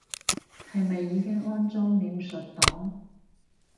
係咪已經安裝描述檔